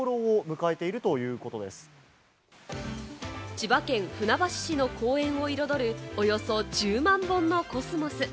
千葉県船橋市の公園を彩るおよそ１０万本のコスモス。